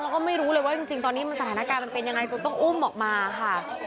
แล้วก็ไม่รู้เลยว่าจริงตอนนี้สถานการณ์มันเป็นยังไงจนต้องอุ้มออกมาค่ะ